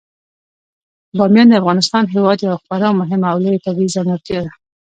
بامیان د افغانستان هیواد یوه خورا مهمه او لویه طبیعي ځانګړتیا ده.